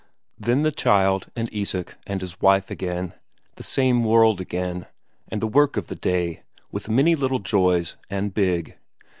Then the child and Isak and his wife again; the same world again, and the work of the day, with many little joys and big.